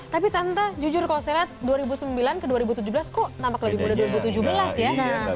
tapi santa jujur kalau saya lihat dua ribu sembilan ke dua ribu tujuh belas kok nampak lebih mudah dua ribu tujuh belas ya